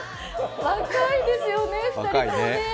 若いですよね、２人ともね。